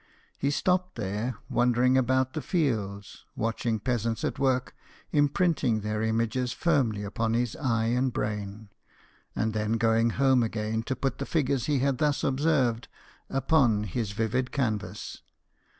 He stopped there, wander ing about the fields, watching peasants at work, imprinting their images firmly upon his eye and brain, and then going home again to put the figures he had thus observed upon his vivid canvas.